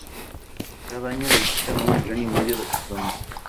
Cada año lo visitan un millón y medio de personas.